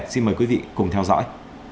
xin mời quý vị cùng theo dõi